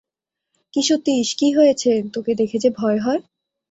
কী সতীশ, কী হয়েছে, তোকে দেখে যে ভয় হয়।